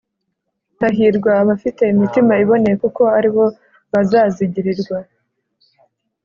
Hahirwa abafite imitima iboneye kuko aribo bazazigirirwa